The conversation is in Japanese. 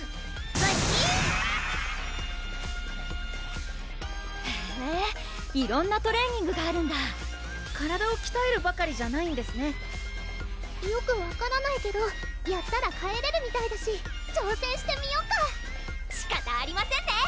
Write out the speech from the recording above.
ブヒッへぇ色んなトレーニングがあるんだ体をきたえるばかりじゃないんですねよく分からないけどやったら帰れるみたいだし挑戦してみよっかしかたありませんね